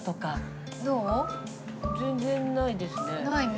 全然ないですね。